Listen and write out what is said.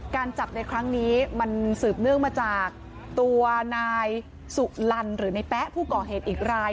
การจับในครั้งนี้มันสืบเนื่องมาจากตัวนายสุลันหรือในแป๊ะผู้ก่อเหตุอีกราย